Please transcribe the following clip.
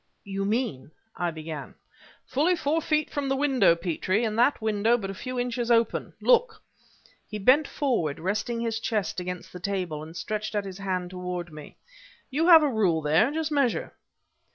"You mean," I began... "Fully four feet from the window, Petrie, and that window but a few inches open! Look" he bent forward, resting his chest against the table, and stretched out his hand toward me. "You have a rule there; just measure."